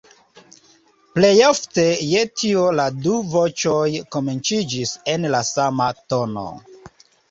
Plejofte je tio la du voĉoj komenciĝis en la sama tono.